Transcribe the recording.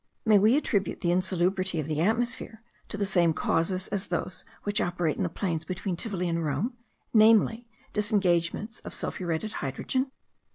May we attribute the insalubrity of the atmosphere to the same causes as those which operate in the plains between Tivoli and Rome, namely, disengagements of sulphuretted hydrogen?